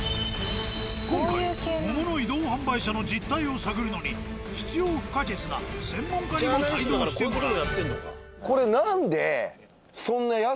今回桃の移動販売車の実態を探るのに必要不可欠な専門家にも帯同してもらう。